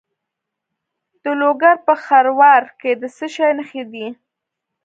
د لوګر په خروار کې د څه شي نښې دي؟